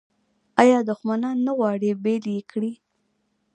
آیا دښمنان نه غواړي بیل یې کړي؟